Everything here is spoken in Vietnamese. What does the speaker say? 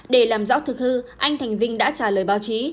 để làm rõ thực hư anh thành vinh đã trả lời báo chí